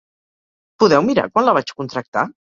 Podeu mirar quan la vaig contractar?